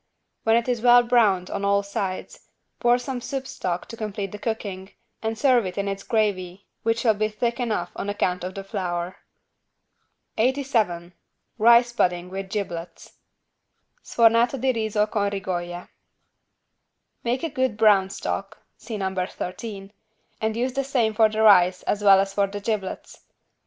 When it is well browned on all sides, pour some soup stock to complete the cooking and serve it in its gravy which will be thick enough on account of the flour. 87 RICE PUDDING WITH GIBLETS (Sfornato di riso con rigoglie) Make a good brown stock (see No. 13) and use the same for the rice as well as for the giblets.